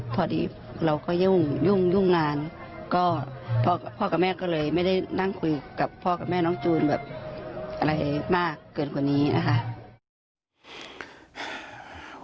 พอดีเราก็ยุ่งยุ่งงานก็พ่อกับแม่ก็เลยไม่ได้นั่งคุยกับพ่อกับแม่น้องจูนแบบอะไรมากเกินกว่านี้นะคะ